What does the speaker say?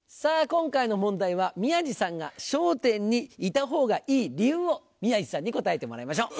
今回の問題は宮治さんが『笑点』にいたほうがいい理由を宮治さんに答えてもらいましょう。